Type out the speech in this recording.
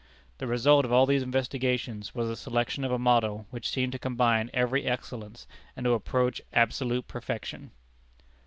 The result of all these investigations was the selection of a model which seemed to combine every excellence, and to approach absolute perfection.